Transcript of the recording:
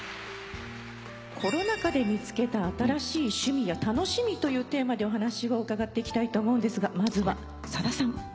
「コロナ禍で見つけた新しい趣味や楽しみ」というテーマでお話を伺っていきたいと思うんですがまずはさださん。